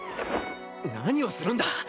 何をするんだ！？